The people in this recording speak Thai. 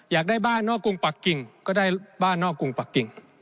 อยากได้บ้านนอกกรุงปักกิ่งก็ได้บ้านนอกกรุงปักกิ่ง